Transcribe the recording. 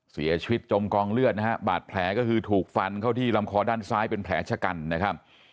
จมกองเลือดนะฮะบาดแผลก็คือถูกฟันเข้าที่ลำคอด้านซ้ายเป็นแผลชะกันนะครับ